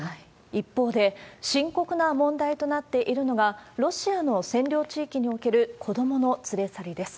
一方で、深刻な問題となっているのが、ロシアの占領地域における子どもの連れ去りです。